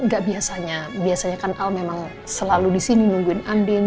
gak biasanya biasanya kan al memang selalu di sini nungguin anding